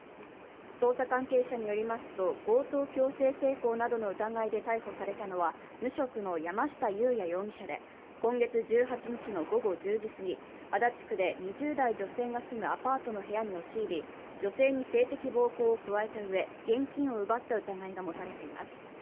捜査関係者によりますと強盗強制性交などの疑いで逮捕されたのは無職の山下裕也容疑者で今月１８日の午後１０時すぎ、足立区で２０代女性が住むアパートの部屋に押し入り、女性に性的暴行を加えたうえ現金を奪った疑いが持たれています。